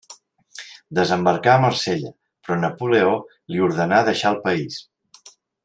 Desembarcà a Marsella però Napoleó li ordenà deixar el país.